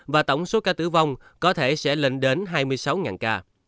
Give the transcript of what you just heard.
và tổng số ca tử vong có thể sẽ lên đến hai mươi sáu ca